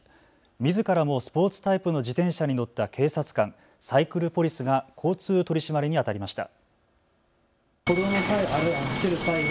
みずからもスポーツタイプの自転車に乗った警察官、サイクルポリスが交通取締りにあたりました。